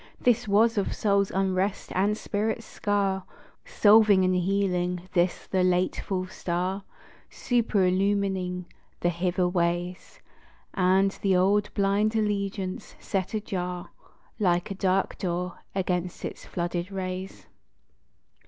This was of soul's unrest and spirit's scar Solving and healing; this the late full star Superillumining the hither ways, And the old blind allegiance set ajar Like a dark door, against its flooded rays.